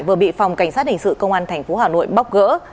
vừa bị phòng cảnh sát hình sự công an tp hà nội bóc gỡ